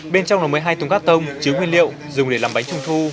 bên trong là một mươi hai túng gác tông chứa nguyên liệu dùng để làm bánh trung thu